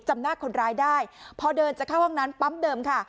จำหน้าคนร้ายได้พอเดินจะเข้าห้องน้ำปั๊มเดิมค่ะ